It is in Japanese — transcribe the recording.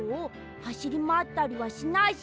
はしりまわったりはしないし。